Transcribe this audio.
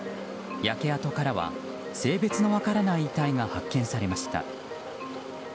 焼け跡からは性別の分からない遺体が発見されました。